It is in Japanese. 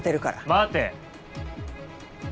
待て。